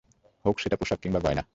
হউক সেটা পোশাক কিংবা গয়না।